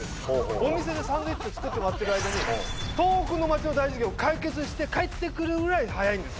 お店でサンドイッチを作ってもらってる間に遠くの町の大事件を解決して帰ってくるぐらい速いんです。